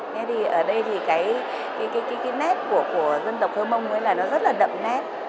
thế thì ở đây thì cái nét của dân tộc hơ mông ấy là nó rất là đậm nét